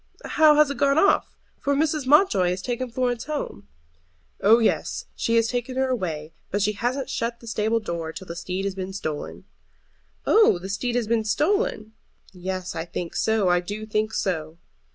"How has it gone off? For Mrs. Mountjoy has taken Florence home." "Oh yes, she has taken her away. But she hasn't shut the stable door till the steed has been stolen." "Oh, the steed has been stolen?" "Yes, I think so; I do think so."